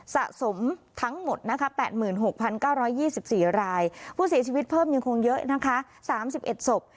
สะสมทั้งหมดนะคะ๘๖๙๒๔รายผู้เสียชีวิตเพิ่มยังคงเยอะนะคะ๓๑ศพ